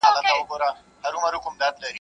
کږه غاړه توره نه خوري.